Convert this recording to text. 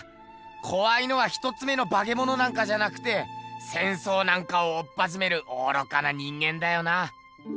こわいのは一つ目のバケモノなんかじゃなくて戦争なんかをおっぱじめる愚かな人間だよな。